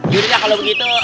juridah kalau begitu